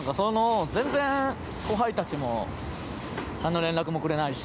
全然、後輩たちも何の連絡もくれないし。